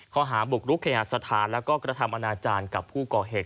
เขาหาบุคลุกขยะสถานและก็กระทำอนาจารย์กับผู้ก่อเหตุ